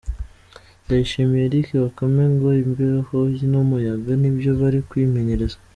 Ndayishimiye Eric Bakame ngo imbeho n’umuyaga nibyo bari kwimenyereza